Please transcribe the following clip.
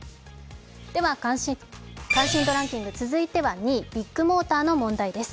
では「関心度ランキング」、続いては２位、ビッグモーターの問題です。